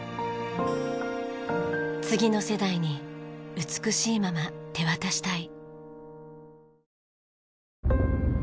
次の世代に美しいまま手渡したい。